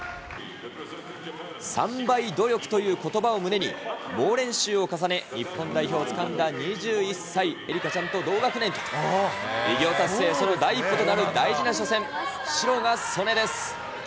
３倍努力ということばを胸に、猛練習を重ね、日本代表をつかんだ２１歳、愛花ちゃんと同学年、偉業達成、その第一歩となる大事な初戦。